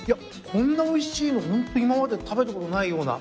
こんなおいしいのホント今まで食べたことないような。